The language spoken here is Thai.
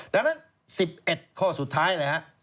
ดังนั้น๑๑ข้อสุดท้ายนะครับ